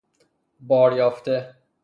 بار یافته